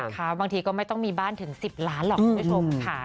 บางทีก็ไม่ต้องมีบ้านถึง๑๐ล้านหรอกคุณผู้ชมค่ะ